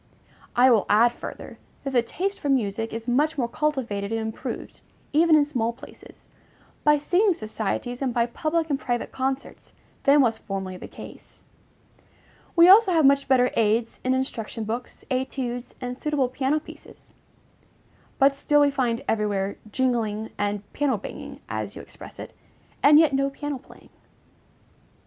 I will add further, that the taste for music is much more cultivated and improved, even in small places, by singing societies and by public and private concerts, than was formerly the case. We also have much better aids in instruction books, études, and suitable piano pieces; but still we find everywhere "jingling" and "piano banging," as you express it, and yet no piano playing.